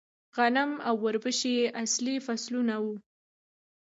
غنم او وربشې اصلي فصلونه وو